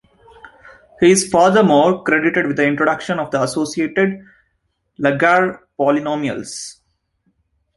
He is furthermore credited with the introduction of the associated Laguerre polynomials.